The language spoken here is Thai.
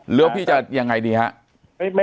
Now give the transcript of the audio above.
หรือพี่จะยังไงดีครับ